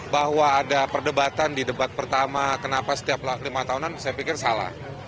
bahwa ada perdebatan di debat pertama kenapa setiap lima tahunan saya pikir salah